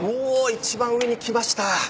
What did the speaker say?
一番上に来ました！